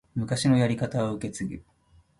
昔のやり方を受け継ぐ